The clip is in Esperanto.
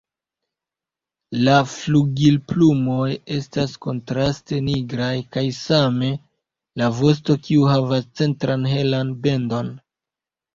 La flugilplumoj estas kontraste nigraj kaj same la vosto kiu havas centran helan bendon.